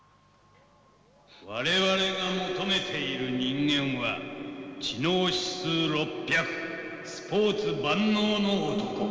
「我々が求めている人間は知能指数６００スポーツ万能の男。